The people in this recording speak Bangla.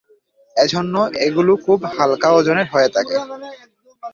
এজন্য এগুলো খুব হালকা ওজনের হয়ে থাকে।